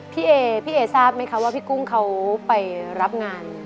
พี่เอพี่เอทราบไหมคะว่าพี่กุ้งเขาไปรับงาน